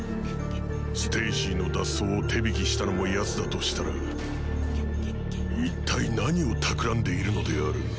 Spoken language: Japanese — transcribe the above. ステイシーの脱走を手引きしたのもやつだとしたら一体何をたくらんでいるのである？